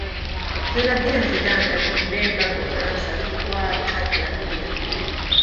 zinedine zidane aliibeba ufaransa kutwaa taji la dunia